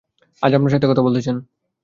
আজ আপনার সাথে কথা বলতে চান!